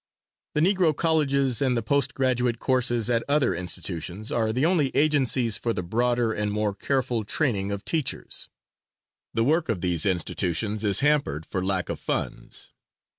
The Negro colleges and the post graduate courses at other institutions are the only agencies for the broader and more careful training of teachers. The work of these institutions is hampered for lack of funds.